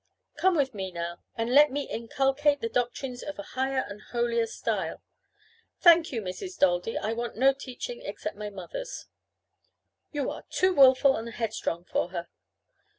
Come with me now, and let me inculcate the doctrines of a higher and holier style." "Thank you, Mrs. Daldy, I want no teaching, except my mother's." "You are too wilful and headstrong for her.